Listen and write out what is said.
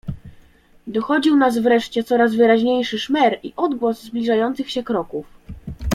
"Dochodził nas wreszcie coraz wyraźniejszy szmer i odgłos zbliżających się kroków."